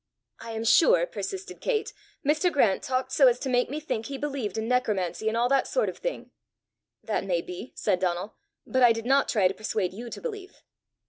"I am sure," persisted Kate, "Mr. Grant talked so as to make me think he believed in necromancy and all that sort of thing!" "That may be," said Donal; "but I did not try to persuade you to believe."